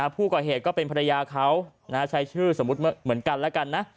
ผู้ก่อเหตุก็เป็นภรรยาเขาใช้ชื่อเหมือนกันนะ